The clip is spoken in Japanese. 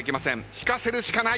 引かせるしかない。